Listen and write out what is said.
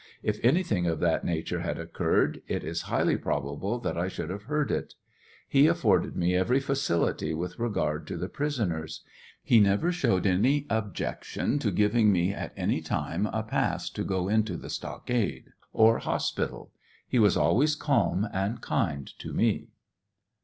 If anything of that nature bad occurred, it is highly probable that I should have heard it. *'* He afforded me every facility with regard to the prisoners. He never showed any objection to giving me at any time a pass to go into the stockade or hos pital. ««* He was always calm and kind to me.